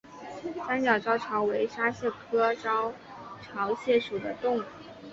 三角招潮为沙蟹科招潮蟹属的动物。